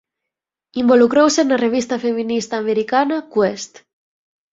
Involucrouse na revista feminista americana Quest.